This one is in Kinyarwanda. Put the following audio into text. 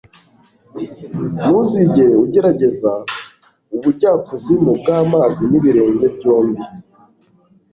Ntuzigere ugerageza ubujyakuzimu bw'amazi n'ibirenge byombi.